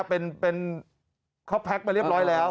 เป็นเขาแพ็คมาเรียบร้อยแล้ว